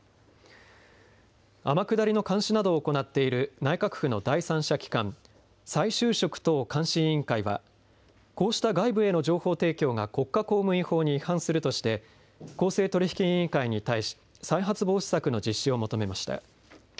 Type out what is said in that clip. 天下りの監視などを行っている内閣府の第三者機関、再就職等監視委員会はこうした外部への情報提供が国家公務員法に違反するとして公正取引委員会に対し再発防止策の実施を求めました。